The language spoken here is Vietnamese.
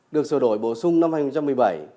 được sửa đổi bổ sung năm hai nghìn một mươi bảy